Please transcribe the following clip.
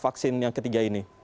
vaksin yang ketiga ini